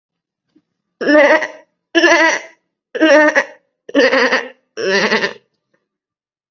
നിനക്ക് ഒര്മ്മയുണ്ടോ